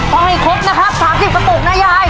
ถ้าไม่ครบนะครับ๓๐กระปุกนะยาย